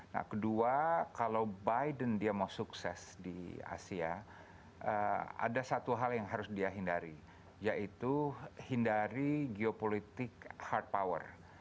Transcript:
nah kedua kalau biden dia mau sukses di asia ada satu hal yang harus dia hindari yaitu hindari geopolitik hard power